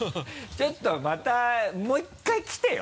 ちょっとまたもう一回来てよ。